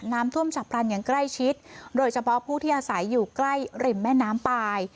น้ำท่วมฉับพลันอย่างใกล้ชิดโดยเฉพาะผู้ที่อาศัยอยู่ใกล้ริมแม่น้ำปลาย